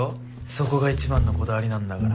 そこが一番のこだわりなんだから。